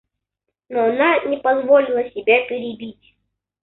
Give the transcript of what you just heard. Но она не позволила себя перебить.